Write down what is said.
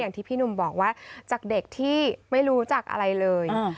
ที่พี่หนุ่มบอกว่าจากเด็กที่ไม่รู้จักอะไรเลย